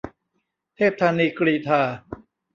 เทพธานีกรีฑา